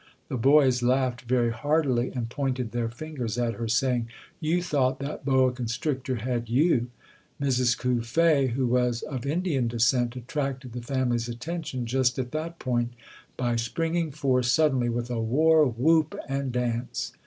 The boys laughed very heartily and pointed their fin gers at her, saying, "You thought that boa con strictor had you!" Mrs. Cuffe, who was of Indian descent, attracted the family's attention just at 250 ] UNSUNG HEROES that point by springing forth suddenly with a war whoop and dance.